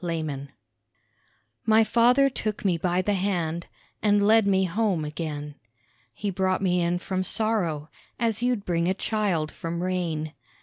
MAGDALEN My father took me by the hand And led me home again; (He brought me in from sorrow As you'd bring a child from rain).